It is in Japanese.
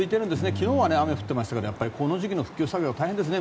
昨日は雨が降ってましたがこの時期の復旧作業は大変ですね。